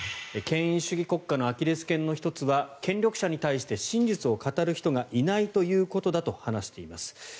権威主義国家のアキレス腱の１つは権力者に対して真実を語る人がいないことだと話しています。